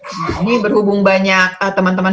ini berhubung banyak teman teman